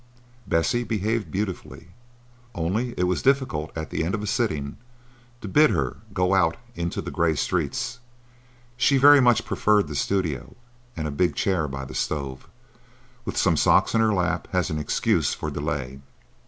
Bessie behaved beautifully. Only it was difficult at the end of a sitting to bid her go out into the gray streets. She very much preferred the studio and a big chair by the stove, with some socks in her lap as an excuse for delay.